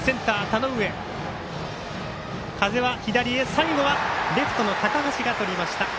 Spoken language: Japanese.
最後はレフトの高橋がとりました。